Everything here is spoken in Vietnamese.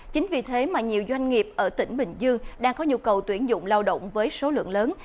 chính vì thế mà nhiều doanh nghiệp ở tỉnh bình dương đang có nhu cầu tuyển dụng lao động với số lượng lớn